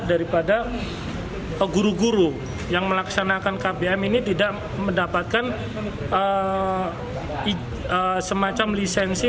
daripada guru guru yang melaksanakan kbm ini tidak mendapatkan semacam lisensi